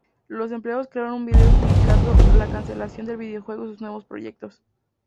Los empleados crearon un vídeo explicando la cancelación del videojuego y sus nuevos proyectos.